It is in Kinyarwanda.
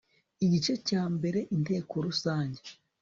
igice cya i inteko rusange